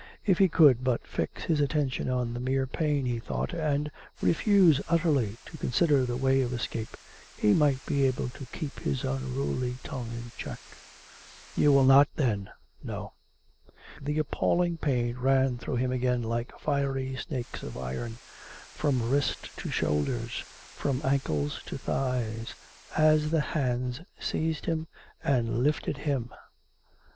If he could but fix his attention on the mere pain, he thought, and re fuse utterly to consider the way of escape, he might be able to keep his unruly tongue in check. " You wUl not, then >"" No." The appalling pain ran through him again like fiery snakes of iron — from wrist to shoulders, from ankles to thighs, as the hands seized him and lifted him.